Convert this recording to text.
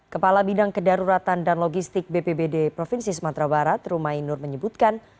kepala bidang kedaruratan dan logistik bpbd provinsi sumatera barat rumai nur menyebutkan